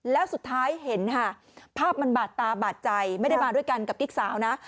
แล้วสุดท้ายเห็นค่ะภาพมันบาดตาบาดใจไม่ได้มาด้วยกันกับกิ๊กสาวนะ